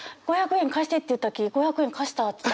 「５００円貸してって言ったき５００円貸した」って。